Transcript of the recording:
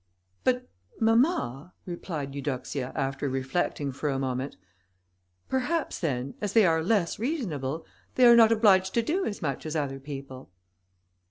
"But, mamma," replied Eudoxia, after reflecting for a moment, "perhaps, then, as they are less reasonable, they are not obliged to do as much as other people."